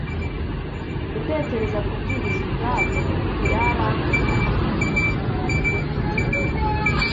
gutekereza kubwiriza ubwabyo byaramvunaga cyane kuruta kubikora